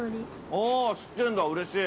◆おお、知ってるんだ、うれしい。